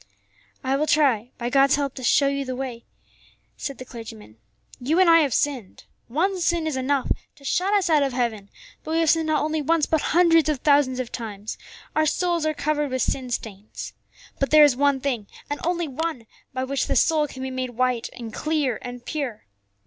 "I will try, by God's help, to show you the way," said the clergyman. "You and I have sinned. One sin is enough to shut us out of heaven, but we have sinned not only once, but hundreds of thousands of times; our souls are covered with sin stains. But there is one thing, and only one, by which the soul can be made white and clear and pure.